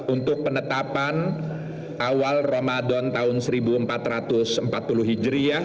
untuk penetapan awal ramadan tahun seribu empat ratus empat puluh hijriah